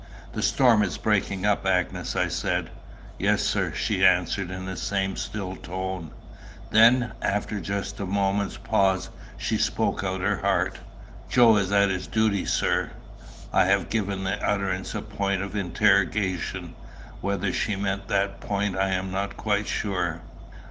"The storm is breaking up, Agnes," I said. "Yes, sir," she answered in the same still tone. Then, after just a moment's pause, she spoke out of her heart. "Joe's at his duty, sir?" I have given the utterance a point of interrogation; whether she meant that point I am not quite sure.